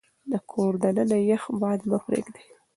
د کور دننه يخ باد مه پرېږدئ.